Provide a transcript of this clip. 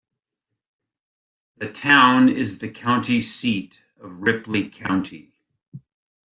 The town is the county seat of Ripley County.